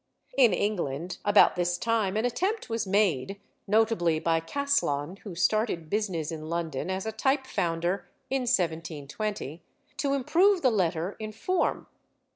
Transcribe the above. In England about this time, an attempt was made (notably by Caslon, who started business in London as a type founder in 1720) to improve the letter in form.